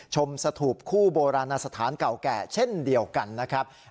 ชมสถูปคู่โบราณสถานเก่าแก่เช่นเดียวกันนะครับ